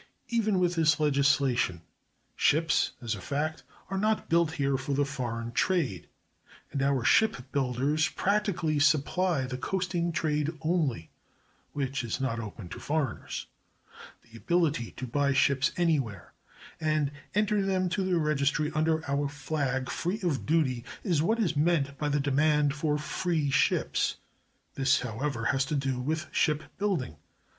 Even with this legislation, ships, as a fact, are not built here for the foreign trade; and our ship builders practically supply the coasting trade only (which is not open to foreigners). The ability to buy ships anywhere, and enter them to registry under our flag free of duty, is what is meant by the demand for "free ships." This, however, has to do with ship building.